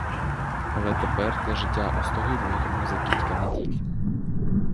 Але тепер те життя остогидло йому за кілька неділь.